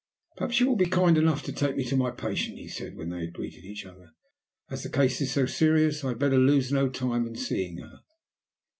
"Perhaps you will be kind enough to take me to my patient," he said, when they had greeted each other. "As the case is so serious, I had better lose no time in seeing her."